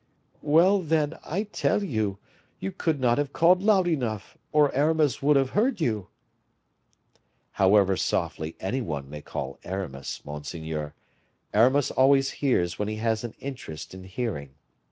"Well, then, I tell you, you could not have called loud enough, or Aramis would have heard you." "However softly any one may call Aramis, monseigneur, Aramis always hears when he has an interest in hearing.